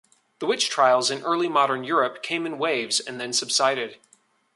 The witch trials in Early Modern Europe came in waves and then subsided.